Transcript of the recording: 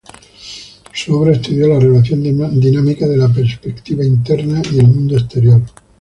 Su obra estudió la relación dinámica de la perspectiva interna y el mundo exterior.